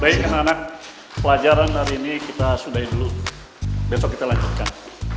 baik anak pelajaran hari ini kita sudahi dulu besok kita lanjutkan